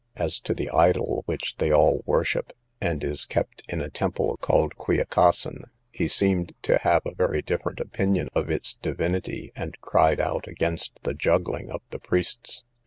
As to the idol which they all worship, and is kept in a temple called Quiocasan, he seemed to have a very different opinion of its divinity, and cried out against the juggling of the priests.